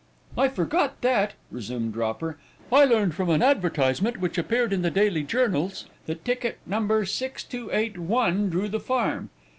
"I forgot that," resumed Dropper. "I learned from an advertisement which appeared in the daily journals, that ticket number 6281 drew the farm.